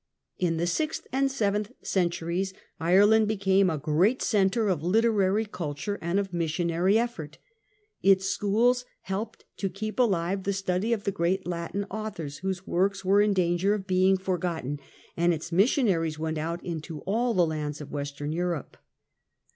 In the sixth and seventh centuries Ireland became a great centre of literary culture and of missionary effort. Its schools helped to keep alive the study of the great Latin authors, whose works were in danger of being forgotten, and its missionaries went out into all lands of Western Europe.